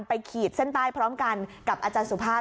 ขีดเส้นใต้พร้อมกันกับอาจารย์สุภาพ